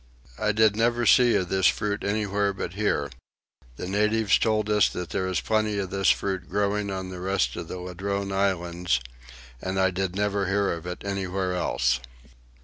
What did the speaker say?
I did never see of this fruit anywhere but here. The natives told us that there is plenty of this fruit growing on the rest of the Ladrone islands; and I DID NEVER HEAR OF IT ANYWHERE ELSE.